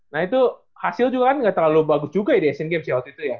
nah itu hasil juga kan nggak terlalu bagus juga ya di asian games ya waktu itu ya